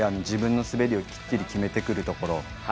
自分の滑りをきっちり決めてくるところ。